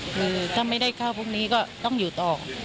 คือถ้าไม่ได้เข้าพรุ่งนี้ก็ต้องอยู่ต่อ